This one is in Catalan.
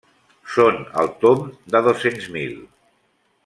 Són al tomb de dos-cents mil.